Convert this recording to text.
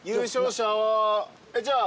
じゃあ。